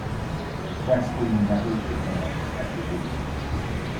Presley never performed at the venue.